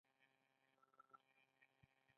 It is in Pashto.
افغانستان د لیتیم پراخې زیرمې لري.